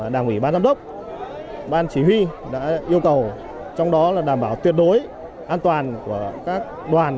đảng ủy ban giám đốc ban chỉ huy đã yêu cầu trong đó là đảm bảo tuyệt đối an toàn của các đoàn